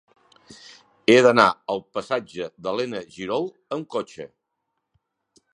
He d'anar al passatge d'Elena Girol amb cotxe.